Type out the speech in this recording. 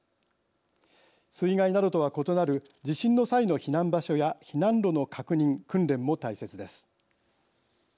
水害などとは異なる地震の際の避難場所や避難路の確認訓練も大切です。